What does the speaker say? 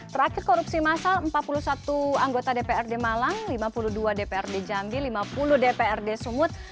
terakhir korupsi massal empat puluh satu anggota dprd malang lima puluh dua dprd jambi lima puluh dprd sumut